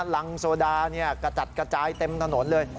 รังโซดากระจัดกระจายเต็มถนนเลย